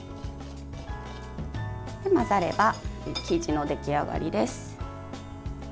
混ざれば生地の出来上がりです。